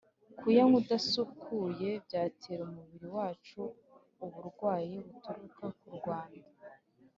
kuyanywa adasukuye byatera umubiri wacu uburwayi buturuka ku mwanda